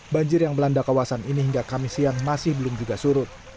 banjir yang melanda kawasan ini hingga kamis siang masih belum juga surut